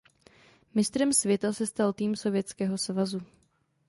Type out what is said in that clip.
Mistrem světa se stal tým Sovětského svazu.